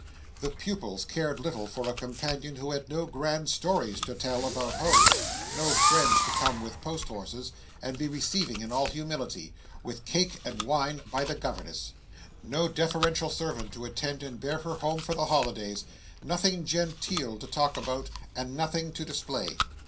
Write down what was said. The pupils cared little for a companion who had no grand stories to tell about home; no friends to come with post horses, and be received in all humility, with cake and wine, by the governess; no deferential servant to attend and bear her home for the holidays; nothing genteel to talk about, and nothing to display.